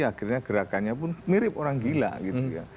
akhirnya gerakannya pun mirip orang gila gitu ya